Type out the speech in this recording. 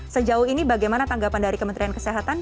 sejauh ini bagaimana tanggapan dari kementerian kesehatan